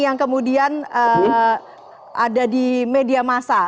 yang kemudian ada di media masa